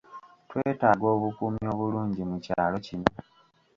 Twetaaga obukuumi obulungi mu kyalo kino.